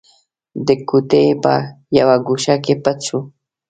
د کوټې په يوه ګوښه کې پټ شو.